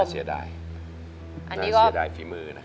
น่าเสียดายน่าเสียดายฟีมือนะครับ